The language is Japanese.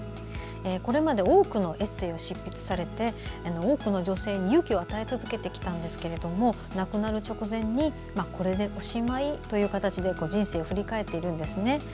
これまで多くのエッセーを執筆されて、多くの女性に勇気を与え続けてきたんですけども亡くなる直前にこれでおしまいという形で人生を振り返っているんですね。